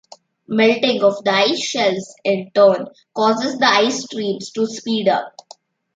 Melting of the ice shelves in turn causes the ice streams to speed up.